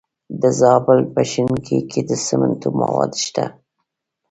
د زابل په شنکۍ کې د سمنټو مواد شته.